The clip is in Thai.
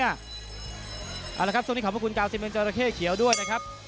เอาละครับส่วนนี้ขอบพระคุณ๙๑เจราะเข้เขียวด้วยนะครับ